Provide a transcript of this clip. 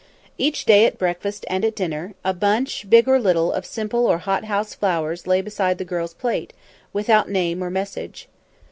Each day at breakfast and at dinner a bunch, big or little, of simple or hothouse flowers lay beside the girl's plate, without name or message.